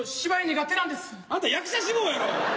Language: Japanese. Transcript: あんた役者志望やろ？